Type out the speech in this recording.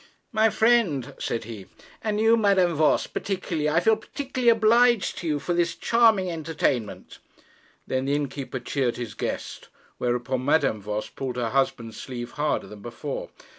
'My friend,' said he, 'and you, Madame Voss particularly, I feel particularly obliged to you for this charming entertainment.' Then the innkeeper cheered his guest, whereupon Madame Voss pulled her husband's sleeve harder than before.